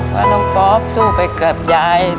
ว่าน้องป๊อปสู้ไปกับยาย